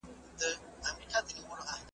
بس مرور له سولي ښه یو پخلا نه سمیږو .